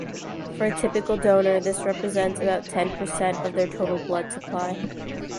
For a typical donor this represents about ten percent of their total blood supply.